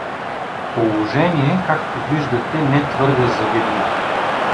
Положение, както виждате, не твърде завидно.